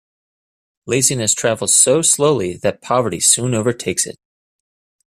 Laziness travels so slowly that poverty soon overtakes it.